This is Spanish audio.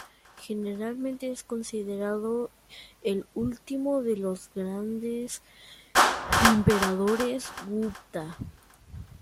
Generalmente es considerado el último de los grandes emperadores Gupta.